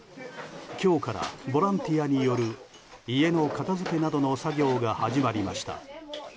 今日からボランティアによる家の片付けなどの作業が始まりました。